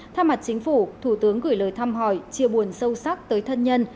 tha mặt chính phủ thủ tướng gửi lời thăm hỏi chia buồn sâu sắc tới thân nhân